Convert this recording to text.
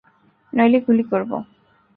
নইলে গুলি করব!